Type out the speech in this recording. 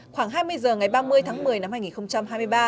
khoảng hai mươi h ngày ba mươi tháng một mươi năm hai nghìn hai mươi ba